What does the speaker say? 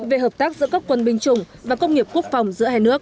về hợp tác giữa các quân binh chủng và công nghiệp quốc phòng giữa hai nước